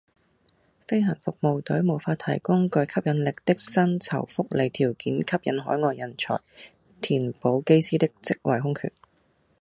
飛行服務隊無法提供具吸引力的薪酬福利條件吸引海外人才，填補機師的職位空缺